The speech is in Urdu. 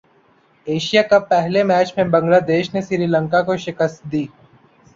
ایشیا کپ پہلے میچ میں بنگلہ دیش نے سری لنکا کو شکست دیدی